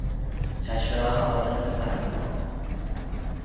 چشم به راه آمدن پسرم بودم.